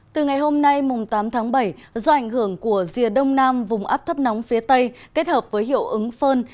từ ngày hôm nay tám tháng bảy do ảnh hưởng của rìa đông nam vùng áp thấp nóng phía tây kết hợp với hiệu ứng phơn